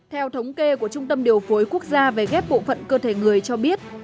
theo thống kê của trung tâm điều phối quốc gia về ghép bộ phận cơ thể người cho biết